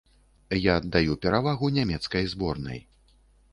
Я аддаю перавагу нямецкай зборнай.